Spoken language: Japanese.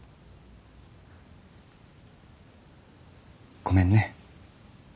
ごめんね。